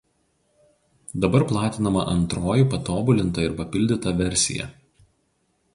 Dabar platinama antroji patobulinta ir papildyta versija.